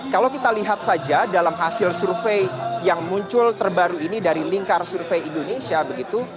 kalau kita lihat saja dalam hasil survei yang muncul terbaru ini dari lingkar survei indonesia begitu